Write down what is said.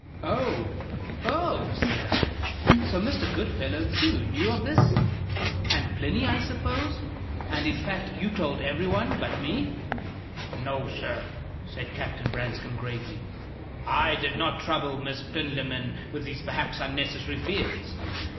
"Oh, oh!" said I. "So Mr. Goodfellow, too, knew of this? And Plinny, I suppose? And, in fact, you told every one but me?" "No, sir," said Captain Branscome, gravely; "I did not trouble Miss Plinlimmon with these perhaps unnecessary fears.